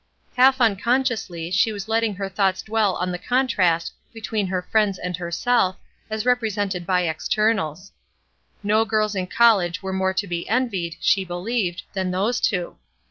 Half unconsciously she was letting her thoughts dwell on the contrast between her friends and herself, as represented by externals. No girls in college were more to be envied, she believed, than those two.